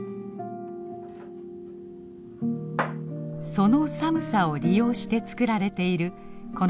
その寒さを利用して作られているこの地方独特の食べ物。